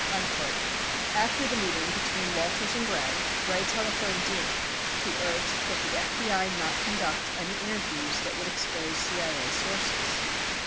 33 After the meeting between Walters and Gray, Gray telephoned Dean, who urged that the FBI not conduct any interviews that would expose CIA sources.